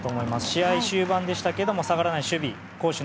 試合終盤でしたが下がらない守備。